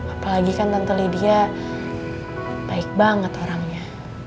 apalagi kan tante lydia baik banget orangnya